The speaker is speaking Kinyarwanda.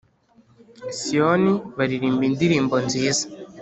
Siyoni baririmba indirimbo nziza